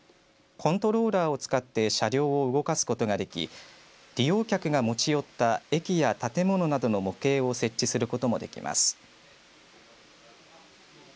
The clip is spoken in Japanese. コントローラーを使って車両を動かすことができ利用客が持ち寄った駅や建物などの模型を設置することもできます。